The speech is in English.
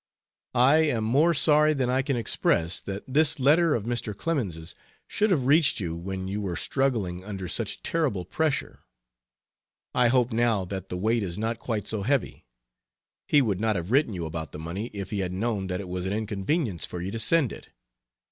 I am more sorry than I can express that this letter of Mr. Clemens' should have reached you when you were struggling under such terrible pressure. I hope now that the weight is not quite so heavy. He would not have written you about the money if he had known that it was an inconvenience for you to send it.